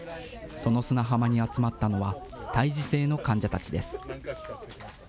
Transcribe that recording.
その砂浜に集まったのは、胎児性の患者たちです。